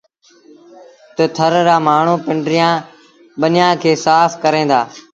تا ٿر رآ مآڻهوٚٚݩ پنڊريٚآݩ ٻنيٚآݩ کي سآڦ ڪريݩ دآ۔